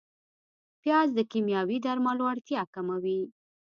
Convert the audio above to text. پیاز د کیمیاوي درملو اړتیا کموي